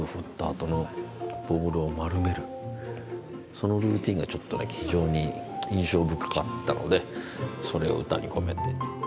そのルーティーンが非常に印象深かったのでそれを歌に込めて。